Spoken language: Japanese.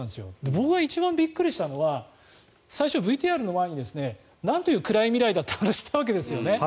僕が一番びっくりしたのは最初ＶＴＲの前になんという暗い未来だというお話をしたわけですね。